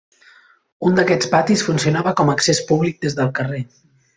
Un d'aquests patis funcionava com accés públic des del carrer.